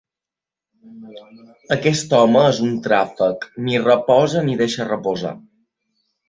Aquest home és un tràfec: ni reposa ni deixa reposar.